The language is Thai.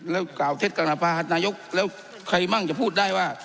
แล้วกล่าวเท็จกรณภาหนายกแล้วใครมั่งจะพูดได้ว่า